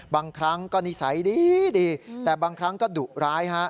บางครั้งก็นิสัยดีแต่บางครั้งก็ดุร้ายฮะ